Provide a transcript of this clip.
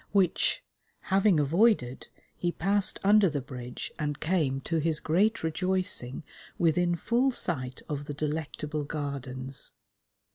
Which, having avoided, he passed under the bridge and came, to his great rejoicing, within full sight of the delectable Gardens.